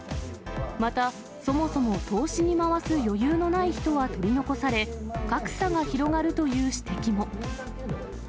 また、そもそも投資に回す余裕のない人は取り残され、格差が広がるという指摘も。